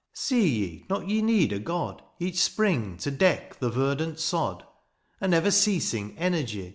see ye not ye need a God, Each spring to deck the verdant sod ; A never ceasing energy.